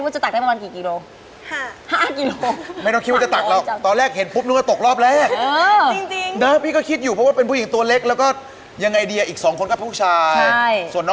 จะได้นำหัวท้องคำนี้ไปตักเยินแสนกลับบ้าน